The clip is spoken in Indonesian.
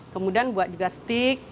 kemudian buat juga stick